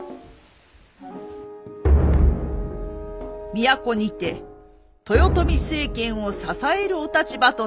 都にて豊臣政権を支えるお立場となった神の君。